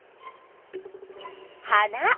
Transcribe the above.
花。